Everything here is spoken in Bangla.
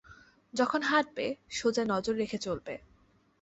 যখন হাঁটবে, সোজা নজর রেখে চলবে।